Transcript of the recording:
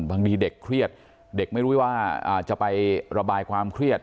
บางทีเด็กเครียดเด็กไม่รู้ว่าจะไประบายความเครียด